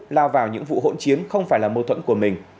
lao vào những vụ hỗn chiến không phải là mâu thuẫn của mình